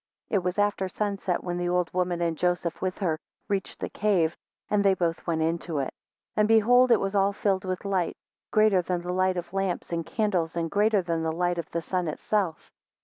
9 It was after sunset, when the old woman and Joseph with her reached the cave, and they both went into it. 10 And behold, it was all filled with lights, greater than the light of lamps and candles, and greater than the light of the sun itself.